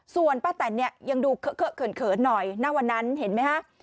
ส่วนป้าแตนเนี่ยยังดูเขินหน่อยณวันนั้นเห็นไหมฮะ